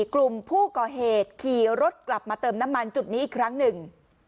กลุ่มผู้ก่อเหตุขี่รถกลับมาเติมน้ำมันจุดนี้อีกครั้งหนึ่ง